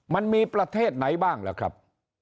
มันมีประเทศไหนบ้างล่ะครับ